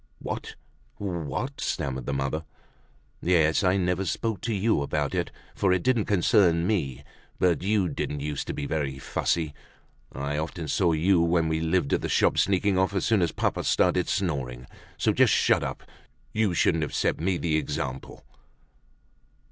"What! What!" stammered the mother. "Yes, I never spoke to you about it, for it didn't concern me; but you didn't used to be very fussy. I often saw you when we lived at the shop sneaking off as soon as papa started snoring. So just shut up; you shouldn't have set me the example."